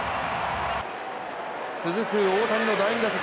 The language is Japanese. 続く大谷の第２打席。